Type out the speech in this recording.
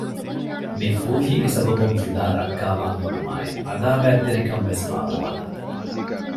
މި ފޫހީގެ ސަބަބުން ފިލާ ރައްކާވާން އުޅުމާއި ޢަދާވާތްތެރިކަން ވެސް ފާޅުވާނެ